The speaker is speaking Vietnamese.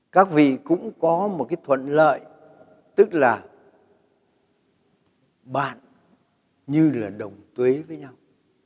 các vị cũng có một cái thuận lợi tức là bạn như là đồng tuế với nhau